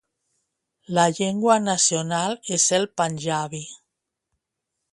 La llengua nacional és el panjabi.